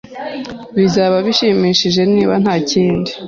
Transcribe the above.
Bizaba bishimishije, niba ntakindi.